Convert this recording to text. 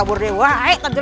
sudah kita kabur